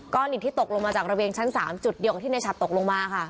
หลินที่ตกลงมาจากระเบียงชั้น๓จุดเดียวกับที่ในฉัดตกลงมาค่ะ